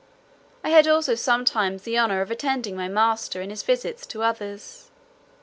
I had also sometimes the honour of attending my master in his visits to others.